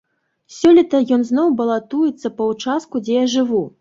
Сёлета ён зноў балатуецца па ўчастку, дзе я жыву.